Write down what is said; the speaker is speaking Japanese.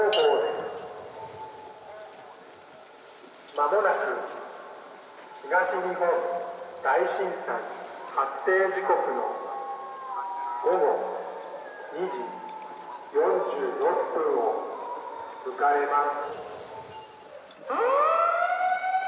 間もなく東日本大震災発生時刻の午後２時４６分を迎えます」。